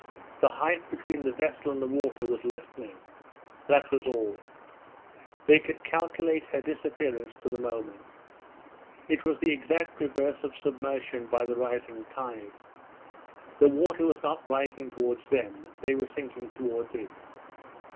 The height between the vessel and the water was lessening that was all. They could calculate her disappearance to the moment. It was the exact reverse of submersion by the rising tide. The water was not rising towards them; they were sinking towards it.